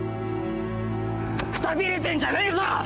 くたびれてんじゃねえぞ！